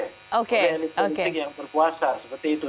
jadi politik yang berpuasa seperti itu